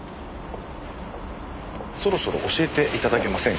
そろそろ教えて頂けませんかね？